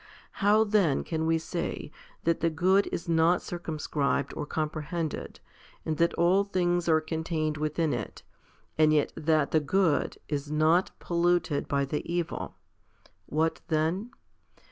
How then can we say that the good is not circum scribed or comprehended, and that all things are contained within it, and yet that the good is not polluted by the evil ? What then